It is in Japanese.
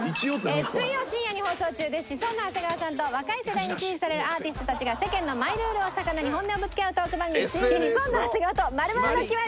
水曜深夜に放送中でシソンヌ長谷川さんと若い世代に支持されるアーティストたちが世間のマイルールを肴に本音をぶつけ合うトーク番組『シソンヌ長谷川×○○のキマリ』！